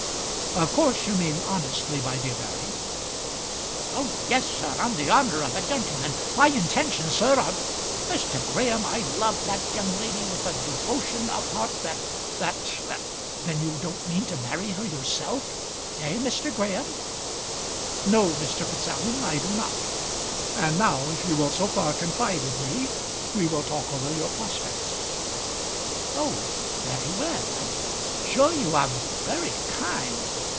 "Of course you mean honestly by dear Mary." "Oh, sir, yes, on the honour of a gentleman. My intentions, sir, are . Mr. Graham, I love that young lady with a devotion of heart, that that that . Then you don't mean to marry her yourself; eh, Mr. Graham?" "No, Mr. Fitzallen, I do not. And now, if you will so far confide in me, we will talk over your prospects." "Oh, very well. I'm sure you are very kind.